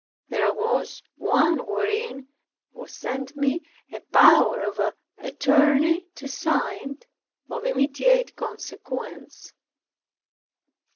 There was one wherein was sent me a power of attorney to sign, of immediate consequence.